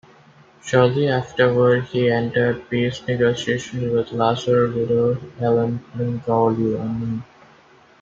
Shortly afterwards, he entered peace negotiations with Lazar's widow, Helen Palaiologina.